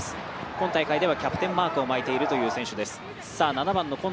今大会ではキャプテンマークを巻いているという選手です。